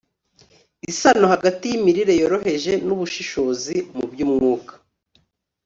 isano hagati y'imirire yoroheje n'ubushishozi mu by'umwuka